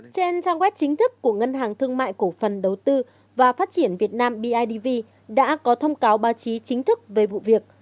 trên trang web chính thức của ngân hàng thương mại cổ phần đầu tư và phát triển việt nam bidv đã có thông cáo báo chí chính thức về vụ việc